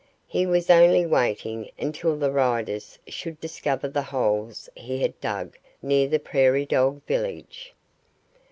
He was only waiting until the riders should discover the holes he had dug near the prairie dog village.